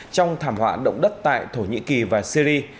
trong thảm họa động đất tại thổ nhĩ kỳ và syri